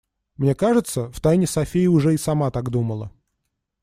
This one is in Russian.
Мне кажется, втайне София уже и сама так думала.